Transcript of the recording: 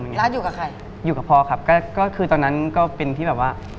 ร้านอยู่กับใครอยู่กับพอครับก็คือตอนนั้นก็เป็นที่แบบว่า